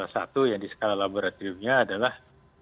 satu yang di skala laboratoriumnya adalah